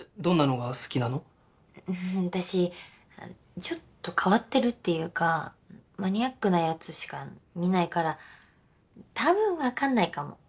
私ちょっと変わってるっていうかマニアックなやつしか見ないからたぶん分かんないかも。